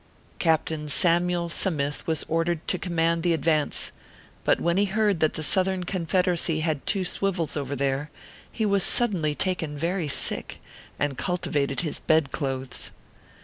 Captain Samyulo Sa mith was ordered to command the advance ; but when he heard that the Southern Confederacy had two swivels over there, he was sud denly taken very sick, and cultivated his bed clothes.